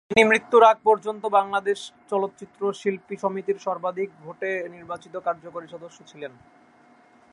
তিনি মৃত্যুর আগ পর্যন্ত বাংলাদেশ চলচ্চিত্র শিল্পী সমিতির সর্বাধিক ভোটে নির্বাচিত কার্যকারী সদস্য ছিলেন।